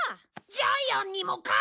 ジャイアンにもか？